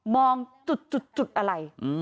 มองจุดอะไร